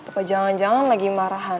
atau jalan jalan lagi marahan